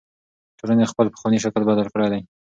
ټولنې خپل پخوانی شکل بدل کړی دی.